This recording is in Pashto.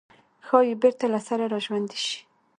ښايي بېرته له سره راژوندي شي.